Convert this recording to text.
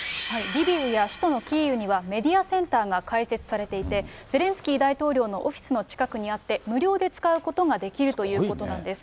リビウや首都のキーウにはメディアセンターが開設されていて、ゼレンスキー大統領のオフィスの近くにあって、無料で使うことができるということなんです。